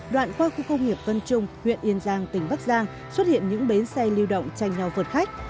đoạn qua khu công nghiệp vân trung huyện yên giang tỉnh bắc giang xuất hiện những bến xe lưu động tranh nhau vượt khách